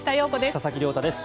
佐々木亮太です。